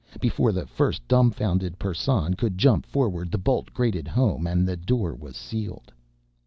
Before the first dumfounded Persson could jump forward the bolt grated home inside and the door was sealed.